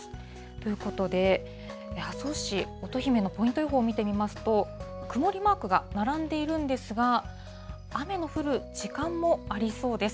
ということで、阿蘇市、乙姫のポイント予報見てみますと、曇りマークが並んでいるんですが、雨の降る時間もありそうです。